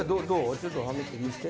ちょっとはめて見して。